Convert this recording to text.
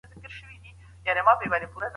چا ليدلی وو د ناز تازه گلونه